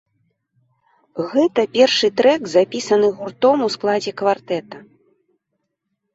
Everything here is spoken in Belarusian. Гэта першы трэк, запісаны гуртом у складзе квартэта.